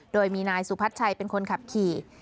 โดยมีนายสุพัชชัยเป็นคนขับขี่